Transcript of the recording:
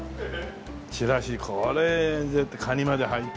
ちらしこれだってカニまで入って。